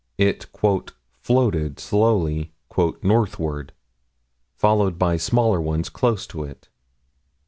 It "floated" slowly "northward," followed by smaller ones close to it.